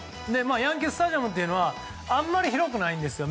ヤンキー・スタジアムというのはあんまり広くないんですよ。